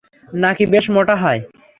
নাকি বেশ মোটা হয়?